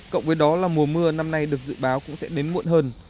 cộng với đó là mùa mưa năm nay được dự báo cũng sẽ đến muộn hơn